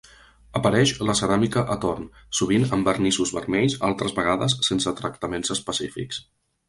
Apareix la ceràmica a torn, sovint amb vernissos vermells, altres vegades sense tractaments específics.